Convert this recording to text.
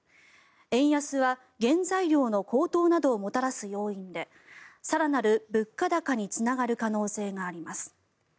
円安は原材料の高騰などをもたらす要因で更なる物価高につながる可能性があります。